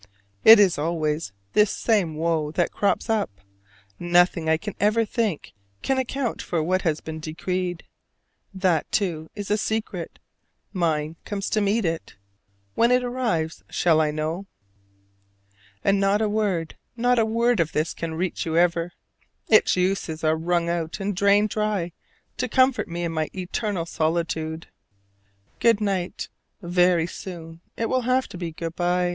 It is always this same woe that crops up: nothing I can ever think can account for what has been decreed. That too is a secret: mine comes to meet it. When it arrives shall I know? And not a word, not a word of this can reach you ever! Its uses are wrung out and drained dry to comfort me in my eternal solitude. Good night; very soon it will have to be good by.